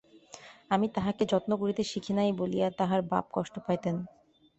আমি তাহাকে যত্ন করিতে শিখি নাই বলিয়া তাহার বাপ কষ্ট পাইতেন।